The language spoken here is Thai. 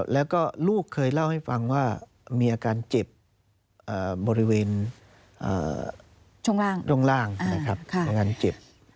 แล้วก็ลูกเคยเล่าให้ฟังว่ามีอาการเจ็บบริเวณช่วงล่างนะครับในการเจ็บ